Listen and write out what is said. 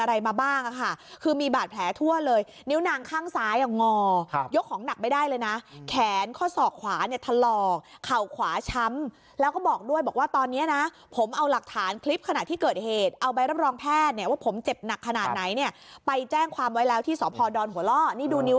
อะไรมาบ้างค่ะคือมีบาดแผลทั่วเลยนิ้วนางข้างซ้ายอ่ะงอยกของหนักไม่ได้เลยนะแขนข้อศอกขวาเนี่ยถลอกเข่าขวาช้ำแล้วก็บอกด้วยบอกว่าตอนนี้นะผมเอาหลักฐานคลิปขณะที่เกิดเหตุเอาใบรับรองแพทย์เนี่ยว่าผมเจ็บหนักขนาดไหนเนี่ยไปแจ้งความไว้แล้วที่สพดหัวล่อนี่ดูนิ้